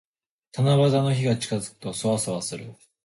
七夕の日が近づくと、そわそわする。